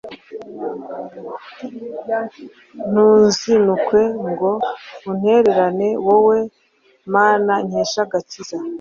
ntunzinukwe ngo untererane wowe mana nkesha agakiza